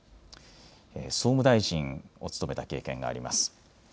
総務大臣を務めた経験があります。